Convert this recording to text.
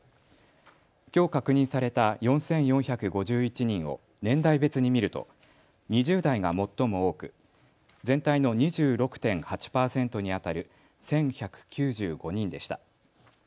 きょう確認された４４５１人を年代別に見ると２０代が最も多く全体の２６．８％にあたる１１９５人でした。